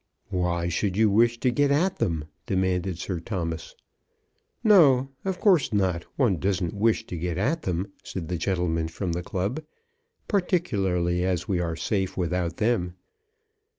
"Why should you wish to get at them?" demanded Sir Thomas. "No; of course not; one doesn't wish to get at them," said the gentleman from the club, "particularly as we are safe without them."